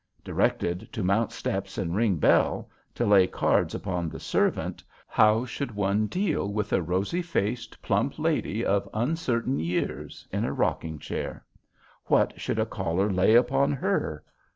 Directed to mount steps and ring bell, to lay cards upon the servant, how should one deal with a rosy faced, plump lady of uncertain years in a rocking chair. What should a caller lay upon her?